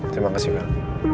terima kasih bel